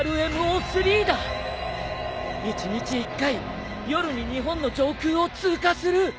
１日１回夜に日本の上空を通過する。